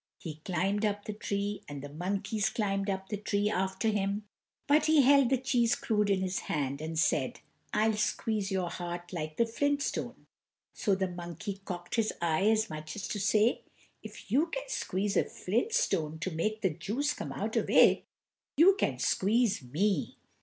He climbed up the tree, and the monkeys climbed up the tree after him. But he held the cheese crud in his hand, and said: "I'll squeeze your heart like the flint stone." So the monkey cocked his eye as much as to say: "If you can squeeze a flint stone to make the juice come out of it, you can squeeze me."